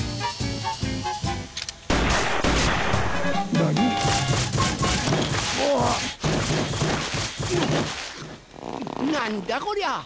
何だこりゃ！